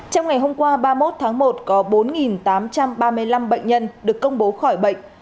trong ngày hôm qua ba mươi một tháng một có bốn tám trăm ba mươi năm bệnh nhân được công bố khỏi bệnh